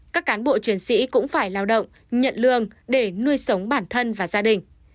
các cán bộ chiến sĩ cũng phải lao động nhận lương để nuôi sống bản thân và gia đình